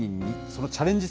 そのチャレンジ